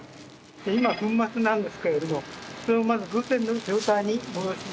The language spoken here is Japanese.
今粉末なんですけれどもそれをまずグルテンの状態に戻します。